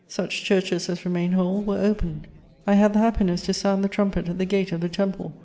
Such churches as remained whole were opened: I had the happiness to sound the trumpet at the gate of the Temple.